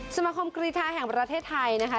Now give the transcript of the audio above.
สมาคมกรีธาแห่งประเทศไทยนะคะ